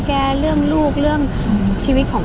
ภาษาสนิทยาลัยสุดท้าย